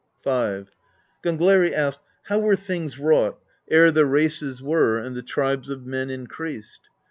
V. Gangleri asked: "How were things wrought, ere the races were and the tribes of men increased?"